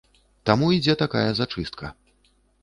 Таму ідзе такая зачыстка.